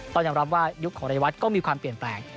ต้องยอมรับว่ายุคของเรวัตก็มีความเปลี่ยนแปลง